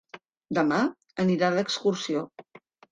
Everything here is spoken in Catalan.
Demà anirà d'excursió.